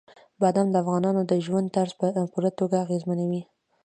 بادام د افغانانو د ژوند طرز په پوره توګه اغېزمنوي.